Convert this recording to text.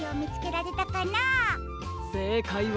せいかいは。